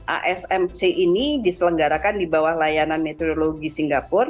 asmc ini diselenggarakan di bawah layanan meteorologi singapura